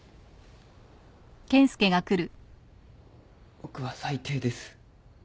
僕は最低です。